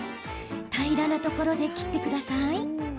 平らなところで切ってください。